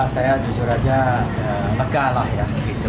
saya jujur aja lega lah ya